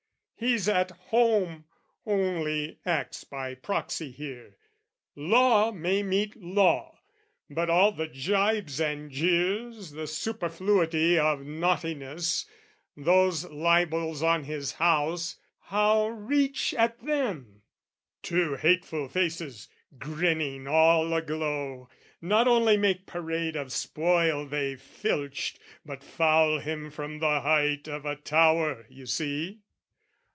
He's at home, only acts by proxy here: Law may meet law, but all the gibes and jeers, The superfluity of naughtiness, Those libels on his House, how reach at them? Two hateful faces, grinning all a glow, Not only make parade of spoil they filched, But foul him from the height of a tower, you see.